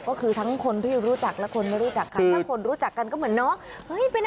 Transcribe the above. ก็คือทั้งคนที่รู้จักและคนไม่รู้จักกันทั้งคนรู้จักกันก็เหมือนเนาะ